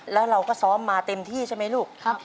แล้วเราก็ซ้อมมาเต็มที่ใช่ไหมลูก